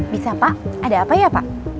bisa pak ada apa ya pak